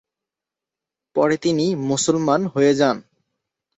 পরে তিনি মুসলমান হয়ে যান।